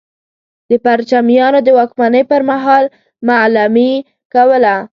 د پرچمیانو د واکمنۍ پر مهال معلمي کوله.